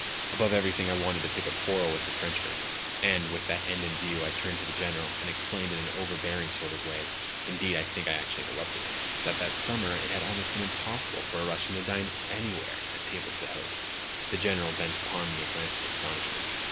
Above everything I wanted to pick a quarrel with the Frenchman; and, with that end in view I turned to the General, and exclaimed in an overbearing sort of way—indeed, I think that I actually interrupted him—that that summer it had been almost impossible for a Russian to dine anywhere at tables d'hôte. The General bent upon me a glance of astonishment.